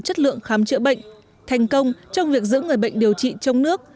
chất lượng khám chữa bệnh thành công trong việc giữ người bệnh điều trị trong nước